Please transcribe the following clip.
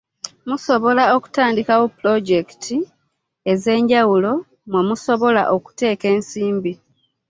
Musobola okutandikawo Ppulojekiti ez'enjawulo mwe musobola okuteeka ensimbi.